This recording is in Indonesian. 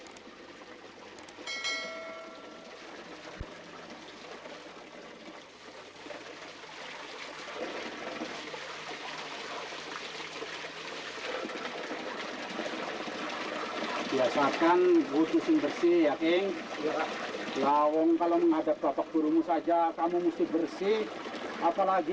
hai biasa kan butuh bersih ya king lawong kalau menghadap bapak burung saja kamu mesti bersih apalagi